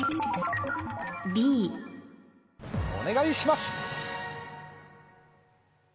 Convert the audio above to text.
お願いします！